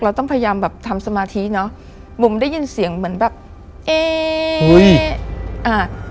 เราต้องพยายามแบบทำสมาธิเนอะบุ๋มได้ยินเสียงเหมือนแบบเอ๊ะอ่ะ